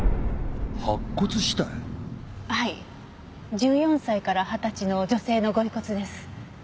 １４歳から二十歳の女性の御遺骨です。